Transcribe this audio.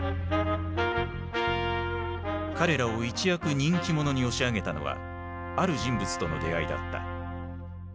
彼らを一躍人気者に押し上げたのはある人物との出会いだった。